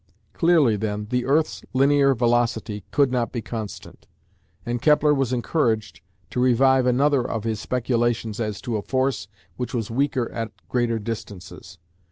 Clearly then the earth's linear velocity could not be constant, and Kepler was encouraged to revive another of his speculations as to a force which was weaker at greater distances.